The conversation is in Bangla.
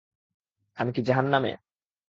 আমি কি জাহান্নামে?